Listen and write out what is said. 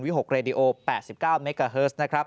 วิหกราดิโอ๘๙เมกาเฮิรตซ์